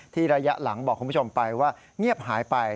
ระยะหลังบอกคุณผู้ชมไปว่าเงียบหายไป